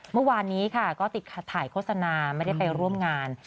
เมื่อวานนี้ค่ะก็ติดถ่ายโฆษณาไม่ได้ไปร่วมงาน